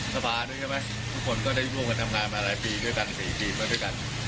ถึงจุดเขาขอใจหรือเปล่า